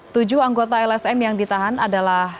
tujuh anggota lsm yang ditahan adalah